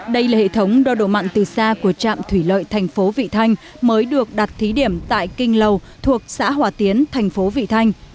đây là hệ thống đo độ mặn từ xa của trạm thủy lợi thành phố vị thanh mới được đặt thí điểm tại kinh lầu thuộc xã hòa tiến thành phố vị thanh